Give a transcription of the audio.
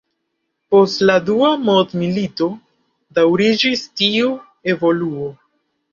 Post la Dua Mondmilito daŭriĝis tiu evoluo.